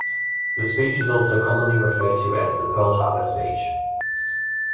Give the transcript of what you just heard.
The speech is also commonly referred to as the "Pearl Harbor Speech".